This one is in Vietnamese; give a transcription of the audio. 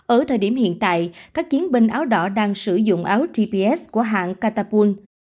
ở thời điểm hiện tại các chiến binh áo đỏ đang sử dụng áo gps của hãng captain pool